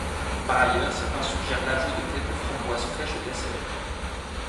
Par ailleurs, certains suggèrent l'ajout de quelques framboises fraîches au dessert.